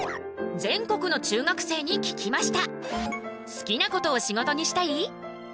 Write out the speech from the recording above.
全国の中学生に聞きました！